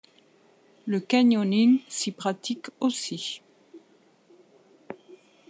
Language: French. Le canyoning s'y pratique aussi.